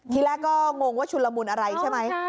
ทีแรกก็งงว่าชุนละมุนอะไรใช่ไหม